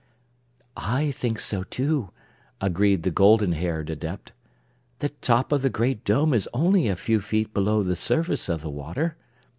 "I think so, too," agreed the golden haired Adept. "The top of the Great Dome is only a few feet below the surface of the water.